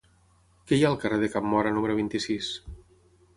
Què hi ha al carrer de Can Móra número vint-i-sis?